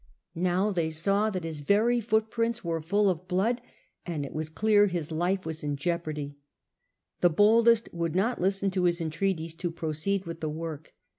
Now they saw that his very footprints were full of blood, and it was clear his life was in jeopardy. The boldest would not listen to his entreaties to proceed with the work.